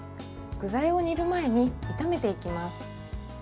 具材を煮る前に炒めていきます。